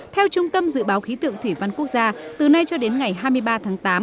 theo trung tâm dự báo khí tượng thủy văn quốc gia từ nay cho đến ngày hai mươi ba tháng tám